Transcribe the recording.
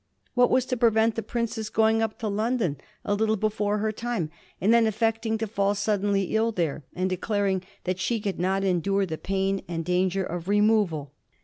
What was to prevent the princess going up to London a little before her time, and then affecting to fall suddenly ill there, and declaring that she could not endure the pain and danger of removal